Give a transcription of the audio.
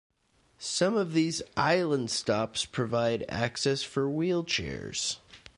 Some of these "island" stops provide access for wheelchairs.